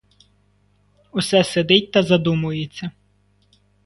Усе сидить та задумується.